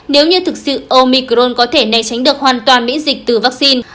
nếu như thực sự omicron có thể này tránh được hoàn toàn biến dịch từ vaccine